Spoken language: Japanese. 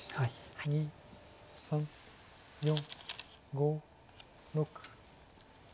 ２３４５６。